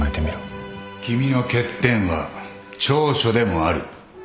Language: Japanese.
君の欠点は長所でもある